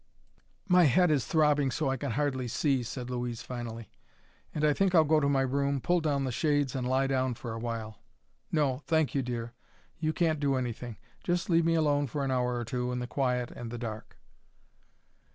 "My head is throbbing so I can hardly see," said Louise finally, "and I think I'll go to my room, pull down the shades, and lie down for a while. No; thank you, dear, you can't do anything. Just leave me alone for an hour or two in the quiet and the dark."